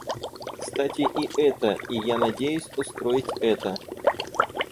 Кстати и это, и я надеюсь устроить это.